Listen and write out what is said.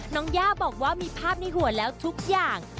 ย่าบอกว่ามีภาพในหัวแล้วทุกอย่าง